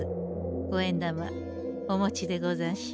五円玉お持ちでござんしょ？